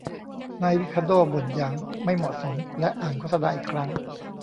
นายริคาร์โด้บ่นอย่างไม่เหมาะสมและอ่านโฆษณาอีกครั้ง